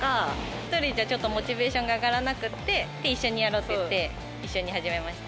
１人じゃちょっとモチベーションが上がらなくって、一緒にやろって言って、一緒に始めました。